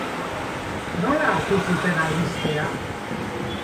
Nola hartu zuten albistea?